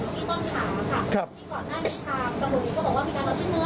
ที่ก่อนหน้านี้ตามกระบุนี้ก็บอกว่ามีการต่อขึ้นเนื้อไปตรวจที่คุณอยู่